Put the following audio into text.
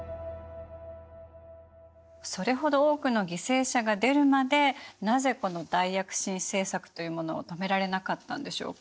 それほど多くの犠牲者が出るまでなぜこの大躍進政策というものを止められなかったんでしょうか？